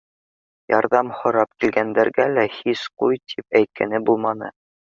Ярҙам һорап килгәндәргә лә һис ҡуй тип әйткәне булманы.